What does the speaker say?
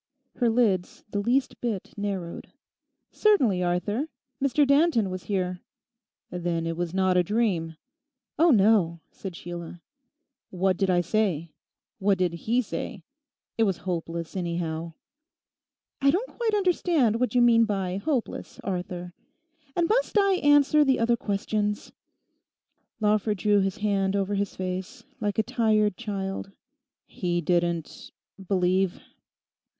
Her lids the least bit narrowed. 'Certainly, Arthur; Mr Danton was here.' 'Then it was not a dream?' 'Oh no,' said Sheila. 'What did I say? What did he say? It was hopeless, anyhow.' 'I don't quite understand what you mean by "hopeless," Arthur. And must I answer the other questions?' Lawford drew his hand over his face, like a tired child. 'He didn't—believe?